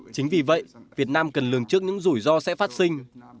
chính vì vậy việt nam cần lường trước những rủi ro sẽ phát sinh